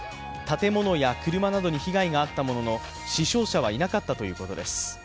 建物や車などに被害があったものの、死傷者はいなかったということです。